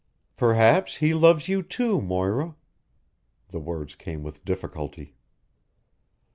"Perhaps he loves you, too, Moira." The words came with difficulty.